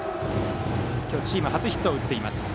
今日チーム初ヒットを打ってます。